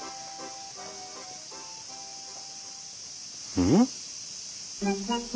うん？